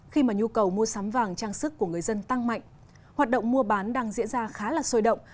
khi mà nhu cầu mua sắm vàng trang sức của người dân tăng mạnh hoạt động mua bán đang diễn ra khá là sôi động